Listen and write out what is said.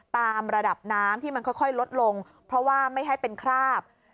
ตามระดับน้ำที่มันค่อยลดลงเพราะว่าไม่ให้เป็นคราบ